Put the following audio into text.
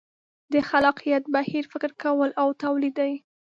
د خلاقیت بهیر فکر کول او تولید دي.